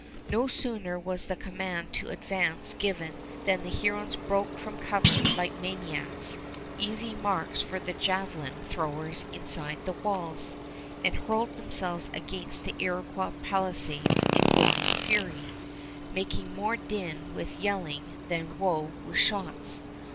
No sooner was the command to advance given than the Hurons broke from cover like maniacs, easy marks for the javelin throwers inside the walls, and hurled themselves against the Iroquois palisades in blind fury, making more din with yelling than woe with shots.